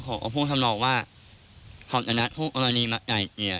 ของพวกทำรองว่าเขาจะนัดพวกรณีมาใจ